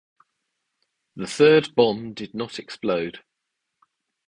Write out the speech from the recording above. The third bomb did not explode.